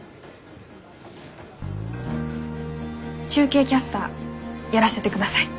中継キャスターやらせてください。